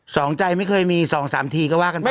สองใจไม่เคยมีสองสามทีก็ว่ากันไป